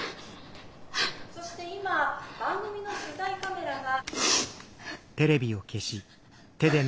そして今番組の取材カメラが」。